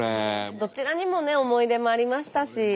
どちらにもね思い出もありましたし。